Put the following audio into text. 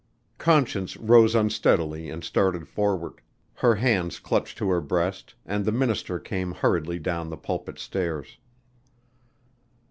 Conscience rose unsteadily and started forward, her hands clutched to her breast, and the minister came hurriedly down the pulpit stairs.